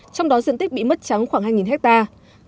trong đó diện tích bị mất trắng khoảng hai hectare